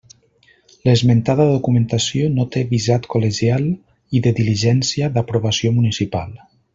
L'esmentada documentació no té visat col·legial i de diligència d'aprovació municipal.